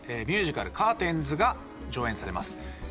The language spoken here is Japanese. ミュージカル『カーテンズ』が上演されます。